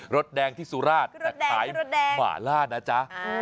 สแดงที่สุราชแต่ขายหมาล่านะจ๊ะ